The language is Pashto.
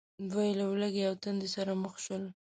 دوی له ولږې او تندې سره مخ شول.